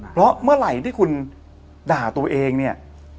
เพราะเมื่อไหร่ที่คุณด่าตัวเองเนี่ย